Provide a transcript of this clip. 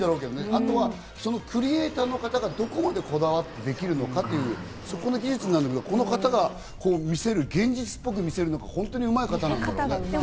あとはクリエイターの方がどこまでこだわってできるのか、そこの技術なんだけど、この方が見せる、現実っぽく見せるのが本当にうまい方なんだと思う。